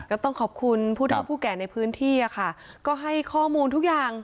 ก็ต้องขอบคุณผู้เท่าผู้แก่ในพื้นที่ค่ะก็ให้ข้อมูลทุกอย่าง